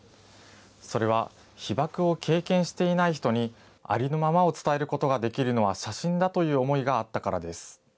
それは被爆を経験していない人にありのままを伝えることができるのは、写真だという思いがあったからです。